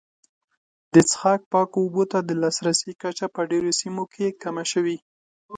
د څښاک پاکو اوبو ته د لاسرسي کچه په ډېرو سیمو کې کمه شوې.